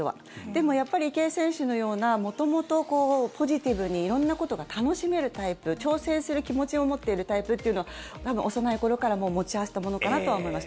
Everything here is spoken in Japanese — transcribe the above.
でもやっぱり、池江選手のような元々、ポジティブに色んなことが楽しめるタイプ挑戦する気持ちを持っているタイプというのは多分、幼い頃から持ち合わせたものかなとは思います。